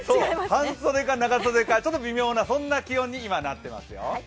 半袖か長袖かちょっと微妙な気温になっていますよ。